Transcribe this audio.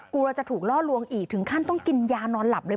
กลัวจะถูกล่อลวงอีกถึงขั้นต้องกินยานอนหลับเลย